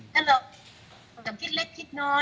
ถ้าเราคิดเล็กคิดน้อย